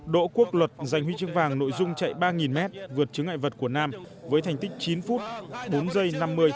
đỗ quốc luật giành huy chương vàng nội dung chạy ba m vượt chứng ngại vật của nam với thành tích chín phút bốn giây năm mươi